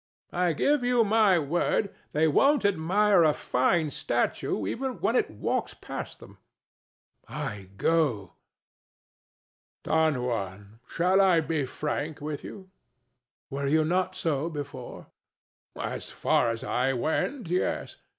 I give you my word they won't admire a fine statue even when it walks past them. DON JUAN. I go. THE DEVIL. Don Juan: shall I be frank with you? DON JUAN. Were you not so before? THE DEVIL. As far as I went, yes.